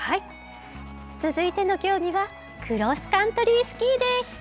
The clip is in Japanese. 続いての競技は、クロスカントリースキーです。